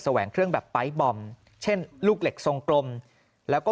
แหวงเครื่องแบบไปร์ทบอมเช่นลูกเหล็กทรงกลมแล้วก็